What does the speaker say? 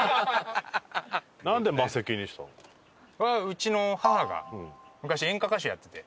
うちの母が昔演歌歌手やってて。